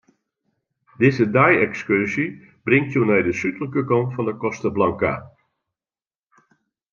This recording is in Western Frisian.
Dizze dei-ekskurzje bringt jo nei de súdlike kant fan 'e Costa Blanca.